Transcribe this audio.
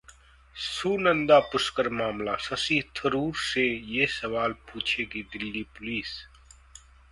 सुनंदा पुष्कर मामला: शशि थरूर से ये सवाल पूछेगी दिल्ली पुलिस